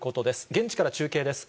現地から中継です。